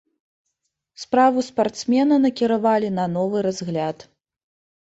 Справу спартсмена накіравалі на новы разгляд.